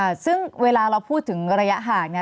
ซึ่งเวลาเราพูดถึงระยะห่างเนี้ย